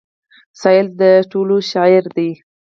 سايل د ټولو شاعر دی.